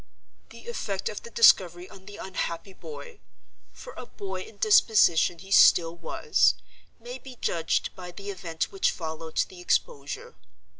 "The effect of the discovery on the unhappy boy—for a boy in disposition he still was—may be judged by the event which followed the exposure.